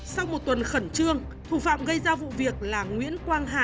sau một tuần khẩn trương thủ phạm gây ra vụ việc là nguyễn quang hà